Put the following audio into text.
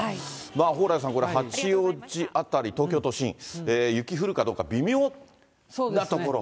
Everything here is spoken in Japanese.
蓬莱さん、八王子辺り、東京都心、雪降るかどうか微妙なところ？